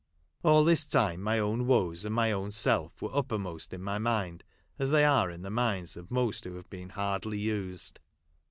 All this time my own woes and my own self were uppermost in my mind, as they are in the minds of most who have been hardly used.